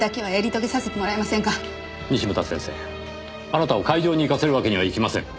西牟田先生あなたを会場に行かせるわけにはいきません。